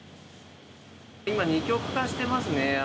今、二極化してますね。